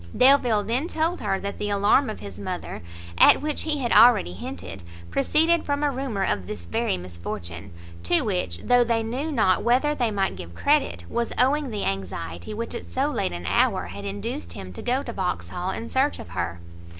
Delvile then told her that the alarm of his mother, at which he had already hinted, proceeded from a rumour of this very misfortune, to which, though they knew not whether they might give credit, was owing the anxiety which at so late an hour, had induced him to go to Vauxhall in search of her.